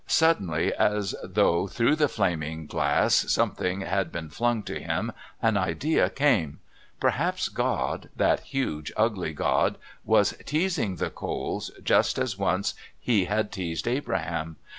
Suddenly, as though through the flaming glass something had been flung to him, an idea came. Perhaps God, that huge, ugly God was teasing the Coles just as once He had teased Abraham.